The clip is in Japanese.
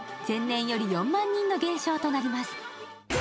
前年より４万人の減少となります。